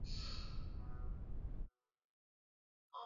hawajainishwa Katika nakala hii tutakuambia sifa